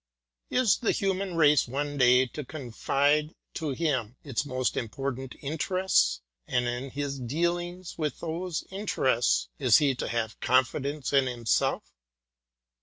Is the human race one day to confide to him its most important interests, and in his deal ings with those interests is he to have confidence in him self?